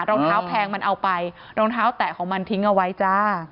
รองเท้าแพงมันเอาไปรองเท้าแตะของมันทิ้งเอาไว้จ้า